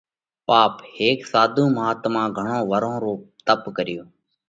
پاپ: هيڪ ساڌُو مهاتما گھڻون ورهون رو تپ ڪريو۔